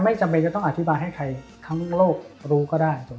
จำเป็นจะต้องอธิบายให้ใครทั้งโลกรู้ก็ได้